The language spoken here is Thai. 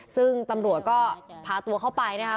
ซึ่งตำรวจก็พาตัวเข้าไปนะคะ